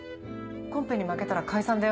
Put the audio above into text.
コンペに負けたら解散だよ？